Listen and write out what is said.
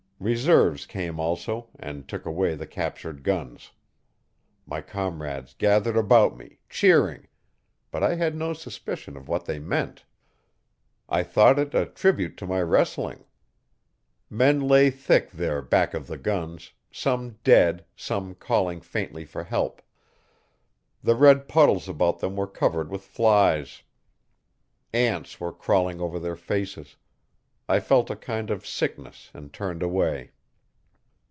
Reserves came also and took away the captured guns. My comrades gathered about me, cheering, but I had no suspicion of what they meant. I thought it a tribute to my wrestling. Men lay thick there back of the guns some dead, some calling faintly for help. The red puddles about them were covered with flies; ants were crawling over their faces. I felt a kind of sickness and turned away.